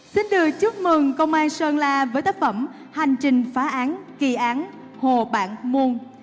xin được chúc mừng công an sơn la với tác phẩm hành trình phá án kỳ án hồ bản muôn